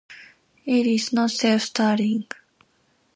It is not self-starting.